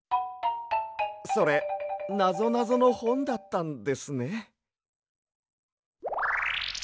それなぞなぞのほんだったんですね。